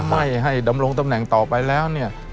ไม่ให้ดำรงตำแหน่งต่อไปแล้วเนี่ย